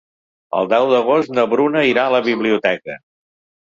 El deu d'agost na Bruna irà a la biblioteca.